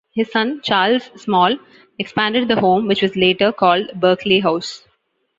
His son, Charles Small, expanded the home which was later called Berkeley House.